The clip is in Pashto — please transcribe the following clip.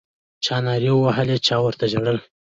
چا نارې وهلې چا ورته ژړله